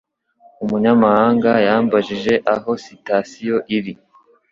Umunyamahanga yambajije aho sitasiyo iri.